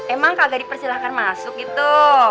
emang kagak dipersilahkan masuk gitu